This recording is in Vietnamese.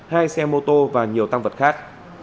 hai xe mô tô và nhiều tăng vật khác